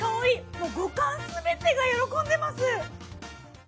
もう五感すべてが喜んでます！